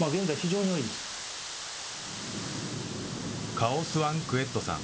カオ・スアン・クエットさん。